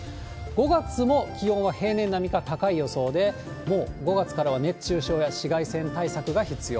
５月も気温は平年並みか高い予想で、もう５月からは熱中症や紫外線対策が必要。